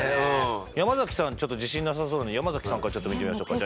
山崎さん自信なさそうなので山崎さんから見てみましょうか。